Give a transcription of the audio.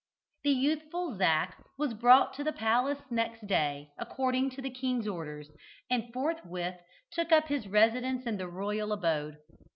The youthful Zac was brought to the palace next day, according to the king's orders, and forthwith took up his residence in the royal abode.